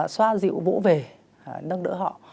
xoa dịu vũ vệ nâng đỡ họ